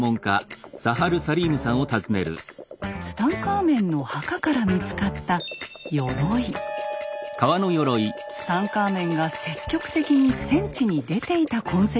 ツタンカーメンの墓から見つかったツタンカーメンが積極的に戦地に出ていた痕跡があったのです。